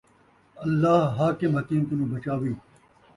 اللہ حاکم حکیم کنوں بچاوی